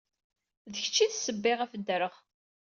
D kečč ay d ssebba ayɣef ddreɣ.